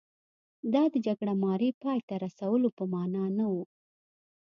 دا د جګړه مارۍ پای ته رسولو په معنا نه و.